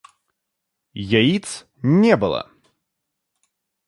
Яиц не было.